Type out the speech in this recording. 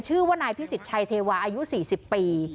ชื่อว่านายพิสิทธิชัยเทวาอายุ๔๐ปี